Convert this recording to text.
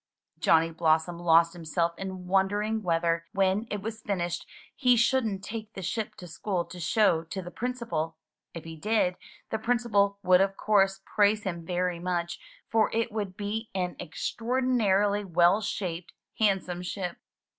Johnny Blossom lost himself in wondering whether, when it was finished, he shouldn't take the ship to school to show to the Principal! If he did, the Principal would of course praise him very much, for it would be an extraordinarily well shaped, handsome ship.